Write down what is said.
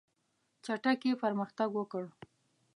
چټکي پرمختګ وکړ.